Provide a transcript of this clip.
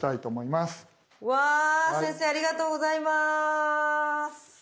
わ先生ありがとうございます。